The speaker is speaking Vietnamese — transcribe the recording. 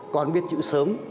con biết chữ sớm